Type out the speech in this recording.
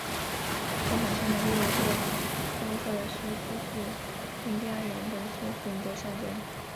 盾牌上的六个棕色的十字是印第安人的星星的象征。